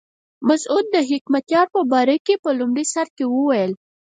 مسعود د حکمتیار په باره کې په لومړي سر کې وویل.